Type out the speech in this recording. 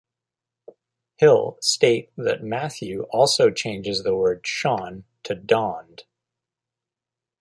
Hill state that Matthew also changes the word "shone" to "dawned".